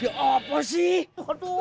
ya apa sih